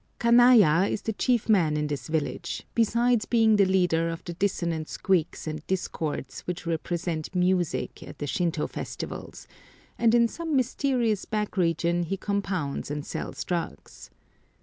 Kanaya is the chief man in this village, besides being the leader of the dissonant squeaks and discords which represent music at the Shintô festivals, and in some mysterious back region he compounds and sells drugs.